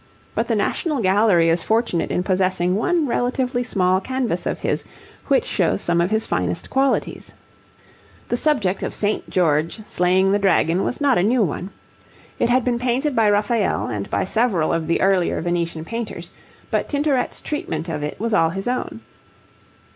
But the National Gallery is fortunate in possessing one relatively small canvas of his which shows some of his finest qualities. The subject of St. George slaying the dragon was not a new one. It had been painted by Raphael and by several of the earlier Venetian painters, but Tintoret's treatment of it was all his own.